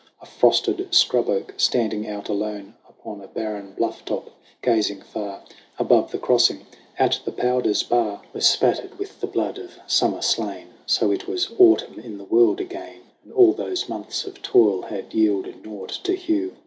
A frosted scrub oak, standing out alone Upon a barren bluff top, gazing far Above the crossing at the Powder's bar, JAMIE 115 Was spattered with the blood of Summer slain. So it was Autumn in the world again, And all those months of toil had yielded nought To Hugh.